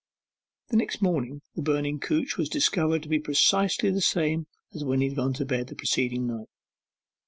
The next morning the burning couch was discovered in precisely the same state as when he had gone to bed the preceding night.